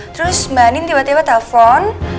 terus mbak andin tiba tiba telepon